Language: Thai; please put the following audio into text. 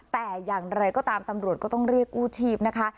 แต่อย่างไรก็ตามตำรวจก็ต้องเรียกกู้ชีพนะคะ